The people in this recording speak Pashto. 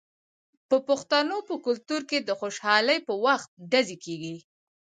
د پښتنو په کلتور کې د خوشحالۍ په وخت ډزې کیږي.